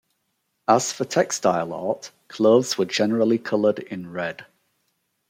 As for textile art, clothes were generally colored in red.